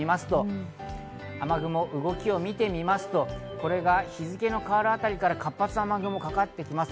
動かしてみますと、雨雲の動きを見てみますと、これが日付の変わるあたりから活発な雨雲がかかってきます。